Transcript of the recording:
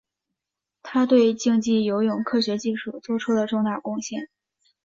他对竞技游泳科学技术做出了重大贡献。